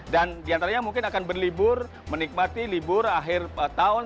dan diantaranya mungkin akan berlibur menikmati libur akhir tahun